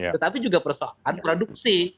tetapi juga persoalan produksi